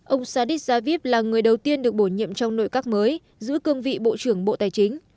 ông sadis javid là người đầu tiên được bổ nhiệm trong nội các mới giữ cương vị bộ trưởng bộ tài chính